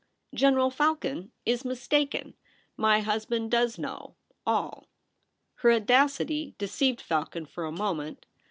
General Falcon Is mistaken. My husband does know — all.' Her audacity deceived Falcon for a moment.